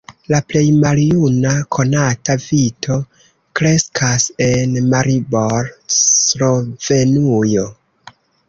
La plej maljuna konata vito kreskas en Maribor, Slovenujo.